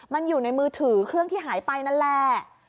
มันอยู่ในมือถือเครื่องที่หายไปนั่นแหละ